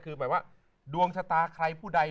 คือหมายว่าดวงชะตาใครผู้ใด